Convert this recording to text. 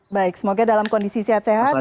baik semoga dalam kondisi sehat sehat